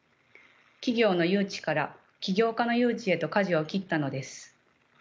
企業の誘致から起業家の誘致へとかじを切ったのです。